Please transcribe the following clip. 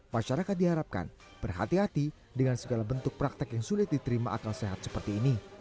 masyarakat diharapkan berhati hati dengan segala bentuk praktek yang sulit diterima akal sehat seperti ini